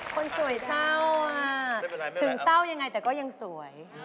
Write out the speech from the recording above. คนสวยเศร้าถึงเศร้ายังไงแต่ก็ยังสวย